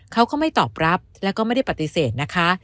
เขาก็ไม่ตอบรับแล้วก็ไม่ได้ปฏิเสธนะคะ